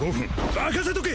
任せとけ！